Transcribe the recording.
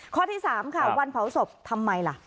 ข้อที่๓ค่ะวันเผาศพทำไมล่ะ